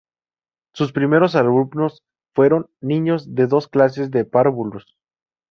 Sus primeros alumnos fueron niños de dos clases de párvulos.